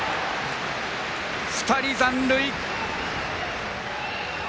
２人残塁。